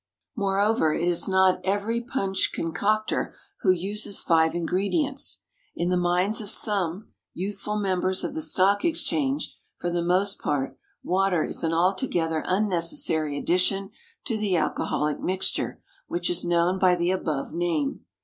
Moreover it is not every punch concoctor who uses five ingredients. In the minds of some youthful members of the Stock Exchange, for the most part water is an altogether unnecessary addition to the alcoholic mixture which is known by the above name.